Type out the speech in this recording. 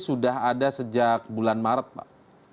sudah ada sejak bulan maret pak